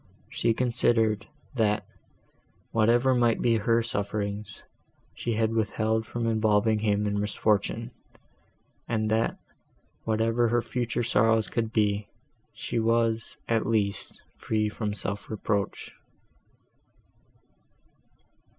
She considered, that, whatever might be her sufferings, she had withheld from involving him in misfortune, and that, whatever her future sorrows could be, she was, at least, free from self reproach.